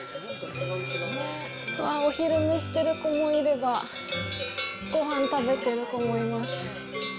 お昼寝してる子もいればごはん食べてる子もいます。